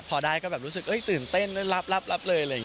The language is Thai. พอได้ก็แบบรู้สึกเอ้ยตื่นเต้นแล้วรับรับรับเลยเลย